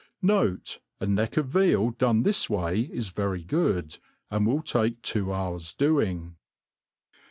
Note, a neck of v^al done this way is very good, and will fake two hours doing.